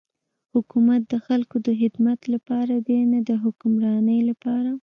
حکومت د خلکو د خدمت لپاره دی نه د حکمرانی لپاره.